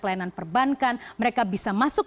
layanan perbankan mereka bisa masuk